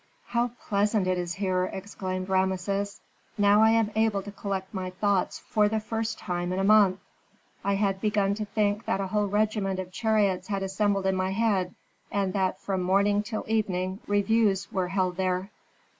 "How pleasant it is here!" exclaimed Rameses. "Now I am able to collect my thoughts for the first time in a month. I had begun to think that a whole regiment of chariots had assembled in my head, and that from morning till evening reviews were held there."